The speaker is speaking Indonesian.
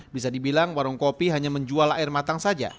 bisa dibilang warung kopi hanya menjual air matang saja